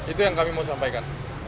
itu yang kami mau sampaikan